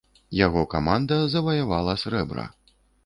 Яго каманда заваявала срэбра.